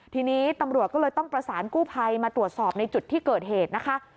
ทีนี้ตำรวจก็เลยต้องประสานกู้ภัยมาตรวจสอบในจุดที่เกิดเหตุนะคะ